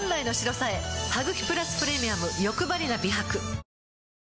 「ハグキプラスプレミアムよくばりな美白」